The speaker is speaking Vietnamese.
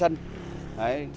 đấy phải nói với dân